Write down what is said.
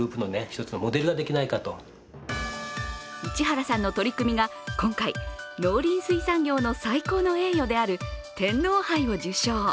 市原さんの取り組みが今回、農林水産業の最高の栄誉である天皇杯を受賞。